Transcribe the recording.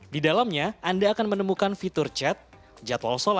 di dalamnya anda akan menemukan fitur chat jadwal sholat